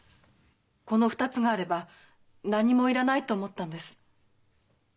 この２つがあれば何も要らないと思ったんです。